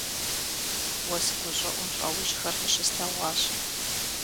Уэс гущӀыӀум лъэужьхэр къыщыслъэгъуащ.